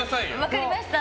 分かりました。